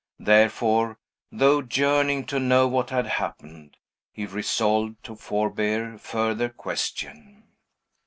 Therefore, though yearning to know what had happened, he resolved to forbear further question.